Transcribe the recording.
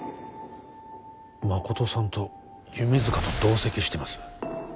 誠さんと弓塚と同席してます